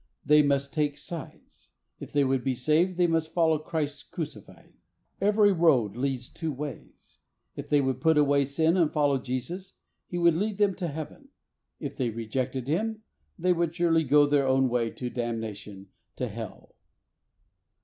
They must take sides. If they would be saved, they must follow Christ crucified. "Every road leads two ways." If they would put away sin and follow Jesus, He would lead them to Heaven; if they rejected Him they would surely go their own way to damnation, to Hell.